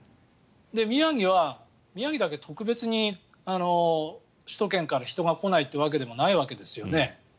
宮城は宮城だけ特別に首都圏から人が来ないというわけでもないわけですよね。